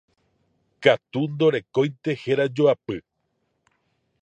katu ndorekóinte herajoapy